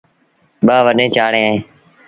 ٻآ وڏيݩ چآڙيٚن اوهيݩ۔